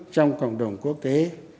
trong cộng đồng quốc tế